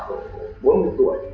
khoảng bốn mươi tuổi